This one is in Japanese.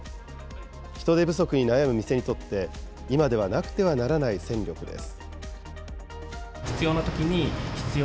人手不足に悩む店にとって、今ではなくてはならない戦力です。